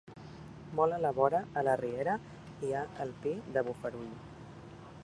Molt a la vora, a la riera, hi ha el Pi de Bofarull.